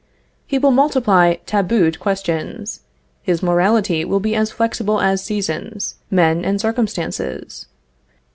He will multiply tabooed questions; his morality will be as flexible as seasons, men, and circumstances.